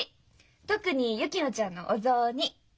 特に薫乃ちゃんのお雑煮。